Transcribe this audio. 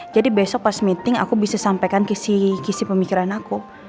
jadi besok pas meeting aku bisa sampaikan kisih kisih pemikiran aku